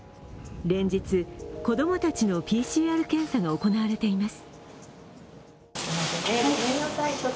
連日、子供たちのＰＣＲ検査が行われています。